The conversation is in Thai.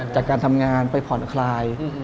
จากการทำงานไปผ่อนคลาย